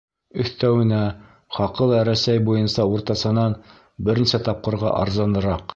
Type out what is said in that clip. Өҫтәүенә, хаҡы ла Рәсәй буйынса уртасанан бер нисә тапҡырға арзаныраҡ.